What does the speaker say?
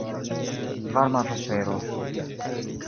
Varma vespero.